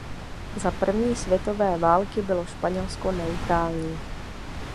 Za první světové války bylo Španělsko neutrální.